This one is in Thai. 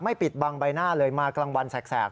ปิดบังใบหน้าเลยมากลางวันแสก